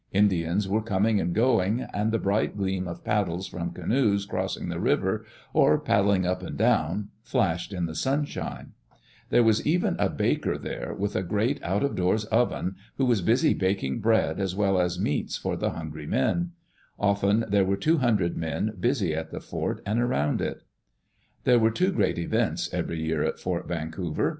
Indians were coming and going, and the bright gleam of paddles from canoes crossing the river, or pad dling up and down, flashed in the sunshine. There was [lOO] Digitized by CjOOQ IC FORT VANCOUVER AND JOHN McLOUGHLIN even a baker there, with a great out of doors oven, who was busy baking bread as well as meats for die hungry men. Often there were two hundred men busy at the fort and around it. There were two great events every year at Fort Van couver.